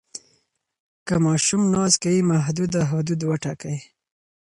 که ماشوم ناز کوي، محدوده حدود وټاکئ.